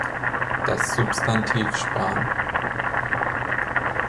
Das Substantiv span.